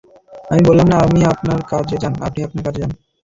আমি বললাম না, আপনি আপনার কাজে যান।